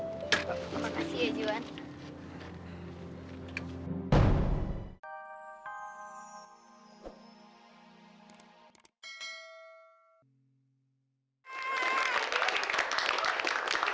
tidak ada yang bisa dipercayai